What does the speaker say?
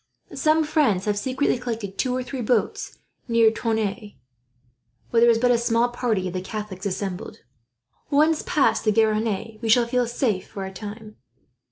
Some friends have secretly collected two or three boats near Tonneins, where there is but a small part of the Catholics assembled. Once past the Garonne, we shall feel safe for a time."